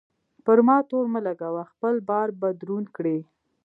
پر ما تور مه لګوه؛ خپل بار به دروند کړې.